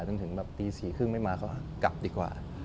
จนถึงแบบตี๔๓๐ไม่มาก็กลับดีกว่า